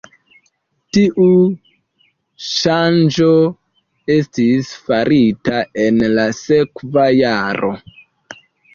Tiu ŝanĝo estis farita en la sekva jaro.